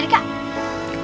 ibu kota nya inggris apa